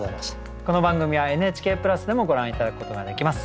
この番組はＮＨＫプラスでもご覧頂くことができます。